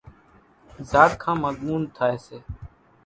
زاڙکان مان ڳونۮ ٿائيَ سي۔